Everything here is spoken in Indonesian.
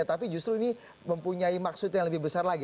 tapi justru ini mempunyai maksud yang lebih besar lagi